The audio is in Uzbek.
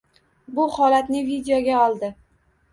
Bu holatni videoga oldi.